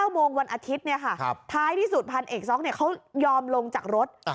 โมงวันอาทิตย์ท้ายที่สุดพันเอกซ็อกเขายอมลงจากรถ